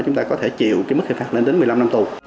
chúng ta có thể chịu cái mức hình phạt lên đến một mươi năm năm tù